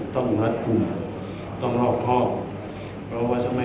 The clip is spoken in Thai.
ต้องม้าปรุงการต้องรอบครอบเข้าเพราะว่า